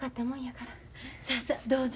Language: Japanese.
さあさあどうぞ。